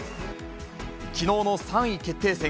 きのうの３位決定戦。